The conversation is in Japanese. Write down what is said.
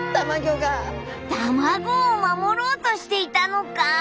卵を守ろうとしていたのか！